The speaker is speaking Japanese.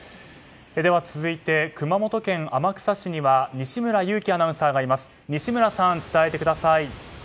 続いて、熊本県天草市には西村勇気アナウンサーがいます。